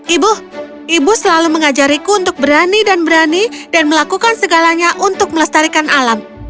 ibu ibu selalu mengajariku untuk berani dan berani dan melakukan segalanya untuk melestarikan alam